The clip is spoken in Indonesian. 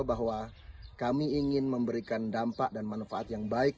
bahwa kami ingin memberikan dampak dan manfaat yang baik